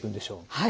はい。